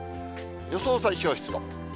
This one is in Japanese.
予想最小湿度。